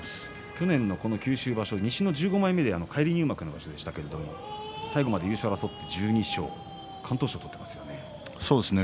去年の九州場所西の１５枚目で返り入幕でしたが最後まで優勝を争って１２勝敢闘賞を取ってますよね。